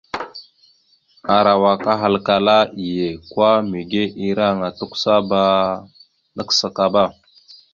Arawak ahalkala iye kwa mege ireŋa tʉkəsaba ma nakəsakaba.